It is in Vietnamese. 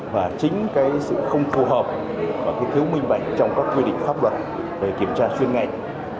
và chính cái sự không phù hợp và cái thiếu minh bạch trong các quy định pháp luật về kiểm tra chuyên ngành